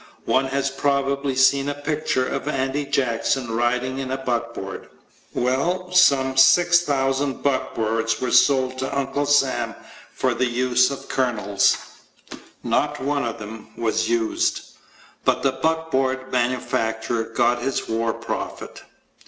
One has probably seen a picture of Andy Jackson riding in a buckboard. Well, some 6,000 buckboards were sold to Uncle Sam for the use of colonels! Not one of them was used. But the buckboard manufacturer got his war profit.